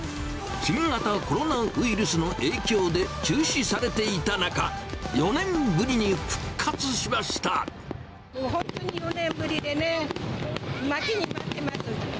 新型コロナウイルスの影響で中止されていた中、４年ぶりに復活し本当に４年ぶりでね、待ちに待ってます。